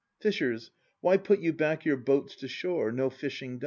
Fishers, why put you back your boats to shore, No fishing done?